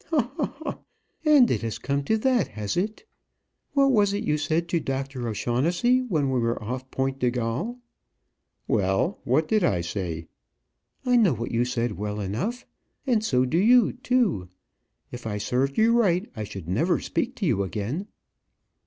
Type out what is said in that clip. "Ha! ha! ha! And it has come to that, has it? What was it you said to Dr. O'Shaughnessey when we were off Point de Galle?" "Well, what did I say?" "I know what you said well enough. And so do you, too. If I served you right, I should never speak to you again."